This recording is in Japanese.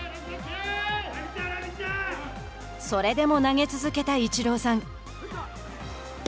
それでも投げ続けたイチローさん。